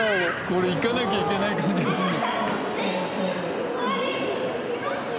これ行かなきゃいけない感じがするね。